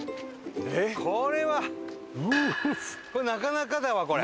これはなかなかだわこれ。